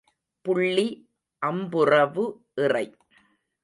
புள்ளி அம்புறவு இறை.